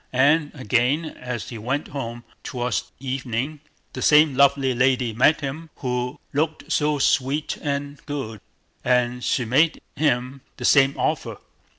And again as he went home, towards evening the same lovely lady met him, who looked so sweet and good, and she made him the same offer.